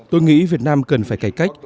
tôi nghĩ việt nam cần phải cải cách